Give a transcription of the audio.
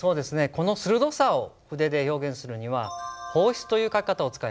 この鋭さを筆で表現するには方筆という書き方を使います。